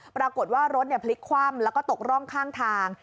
ปรากฏว่ารถพลิกคว่ำแล้วก็ตกร่องข้างทาง